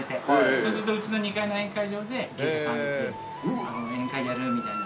そうするとうちの２階の宴会場で芸者さん呼んで宴会やるみたいな。